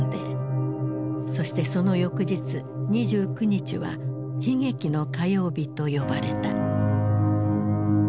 そしてその翌日２９日は悲劇の火曜日と呼ばれた。